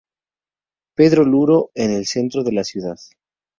Pedro Luro", en el centro de la ciudad.